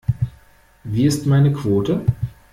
Wie ist meine Quote?